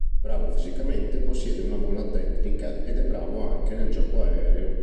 Bravo fisicamente, possiede una buona tecnica ed è bravo anche nel gioco aereo.